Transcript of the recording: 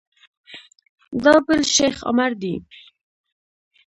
دا بل شیخ عمر دی.